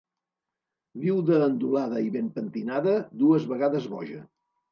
Viuda endolada i ben pentinada, dues vegades boja.